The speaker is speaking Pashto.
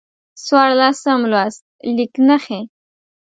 څوارلسم لوست: لیک نښې